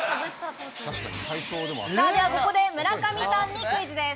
では、ここで村上さんにクイズです。